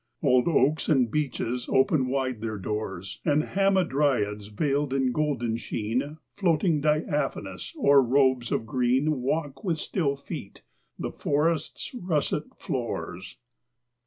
Old oaks and beeches open wide their doors And hamadryads veiled in golden sheen Floating diaphanous o'er robes of green Walk with still feet the forest's russet floors.